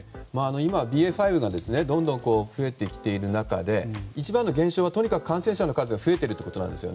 今、ＢＡ．５がどんどん増えてきている中で一番の現象は感染者の数が増えていると。